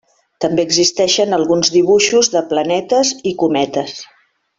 També existeixen alguns dibuixos de planetes i cometes.